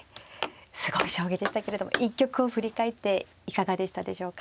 すごい将棋でしたけれども一局を振り返っていかがでしたでしょうか。